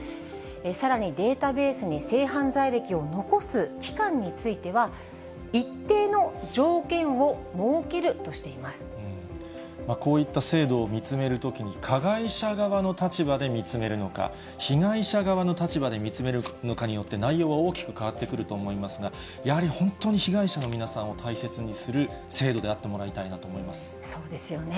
さらにデータベースに性犯罪歴を残す期間については、こういった制度を見つめるときに、加害者側の立場で見つめるのか、被害者側の立場で見つめるのかによって、内容は大きく変わってくると思いますが、やはり本当に被害者の皆さんを大切にする制度であってもらいたいそうですよね。